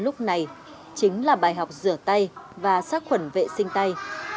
lúc này chính là bài học rửa tay và sát khuẩn vệ sinh tay